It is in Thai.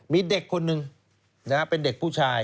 มีเด็กคนหนึ่งเป็นเด็กผู้ชาย